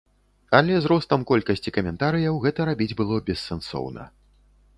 Але з ростам колькасці каментарыяў гэта рабіць было бессэнсоўна.